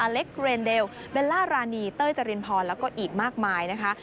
เล็กเรนเดลเบลล่ารานีเต้ยจรินพรแล้วก็อีกมากมายนะคะ